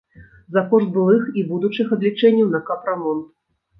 За кошт былых і будучых адлічэнняў на капрамонт.